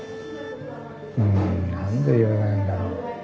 うん何で言わないんだろう。